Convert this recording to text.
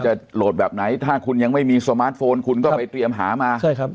โหลดแบบไหนถ้าคุณยังไม่มีสมาร์ทโฟนคุณก็ไปเตรียมหามาใช่ครับ